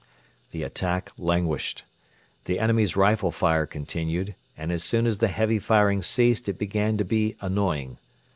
The attack languished. The enemy's rifle fire continued, and as soon as the heavy firing ceased it began to be annoying.